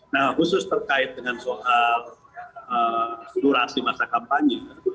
nah khusus terkait dengan soal durasi masa kampanye